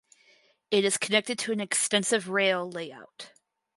It connected to an extensive rail layout.